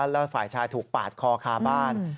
แล้วฝ่ายชายถูกปาดคอคาบ้าน